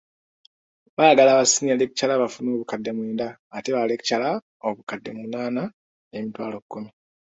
Baagala ba siniya lecturer bafune obukadde mwenda ate ba lecturer obukadde munaana n'emitwalo kumi.